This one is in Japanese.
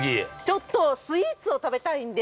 ◆ちょっとスイーツを食べたいんで。